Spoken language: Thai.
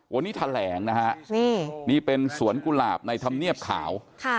วันนี้แถลงนะฮะนี่เป็นสวนกุหลาบในธรรมเนียบขาว